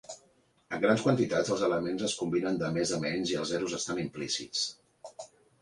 En grans quantitats, els elements es combinen de més a menys i els zeros estan implícits.